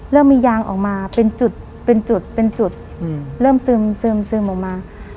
เริ่มมียางออกมาเป็นจุดเป็นจุดเป็นจุดเริ่มซึมออกมา